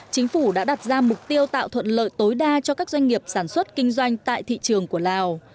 chính phủ đã đặt ra mục tiêu tạo thuận lợi tối đa cho các doanh nghiệp sản xuất kinh doanh tại thị trường của lào